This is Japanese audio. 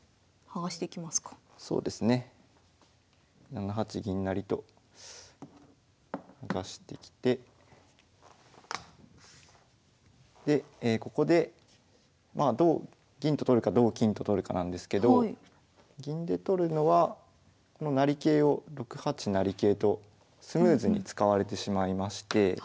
７八銀成と剥がしてきてでここでまあ同銀と取るか同金と取るかなんですけど銀で取るのはこの成桂を６八成桂とスムーズに使われてしまいまして。